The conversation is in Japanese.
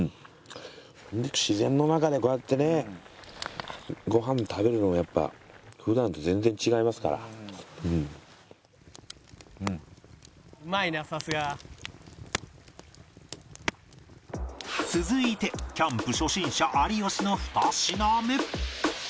自然の中でこうやってねご飯食べるのもやっぱ普段と「うまいなさすが」続いてキャンプ初心者有吉の２品目